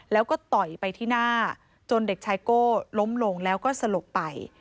แล้วก็ต่อยไปที่หน้าจนเด็กชายโก้ล้มลงแล้วก็สลบไป